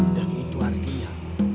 dan itu artinya